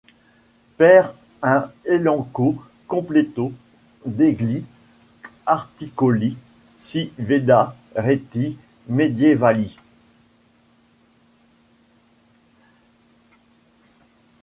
Per un elenco completo degli articoli, si veda Reti Medievali.